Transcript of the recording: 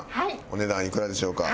お値段いくらでしょうか？